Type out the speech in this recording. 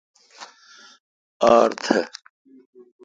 ار تھ